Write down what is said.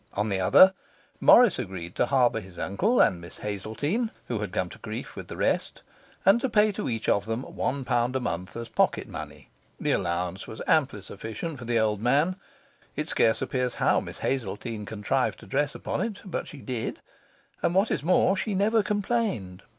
On the other, Morris agreed to harbour his uncle and Miss Hazeltine (who had come to grief with the rest), and to pay to each of them one pound a month as pocket money. The allowance was amply sufficient for the old man; it scarce appears how Miss Hazeltine contrived to dress upon it; but she did, and, what is more, she never complained.